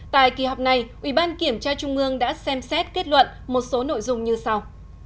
tại kỳ họp này ủy ban kiểm tra trung ương đã xem xét kết luận một số nội dung như sau